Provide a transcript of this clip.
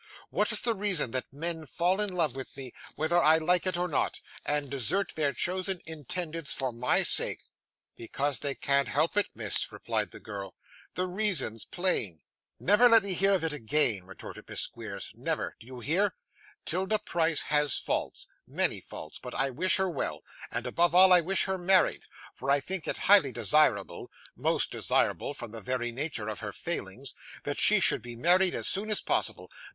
What is the reason that men fall in love with me, whether I like it or not, and desert their chosen intendeds for my sake?' 'Because they can't help it, miss,' replied the girl; 'the reason's plain.' (If Miss Squeers were the reason, it was very plain.) 'Never let me hear of it again,' retorted Miss Squeers. 'Never! Do you hear? 'Tilda Price has faults many faults but I wish her well, and above all I wish her married; for I think it highly desirable most desirable from the very nature of her failings that she should be married as soon as possible.